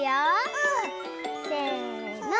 うん！せの！